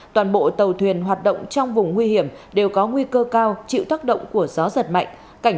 toàn bộ tàu thuyền hoạt động trong vùng nguy hiểm đều có nguy cơ cao chịu tác động của gió giật mạnh